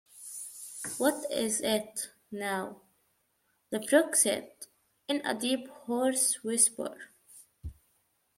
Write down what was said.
‘What is it, now?’ the Frog said in a deep hoarse whisper.